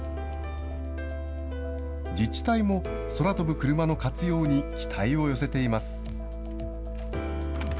自治体も空飛ぶクルマの活用に期待を寄せています。